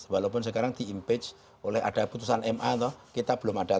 walaupun sekarang diimpeach oleh ada putusan ma atau kita belum ada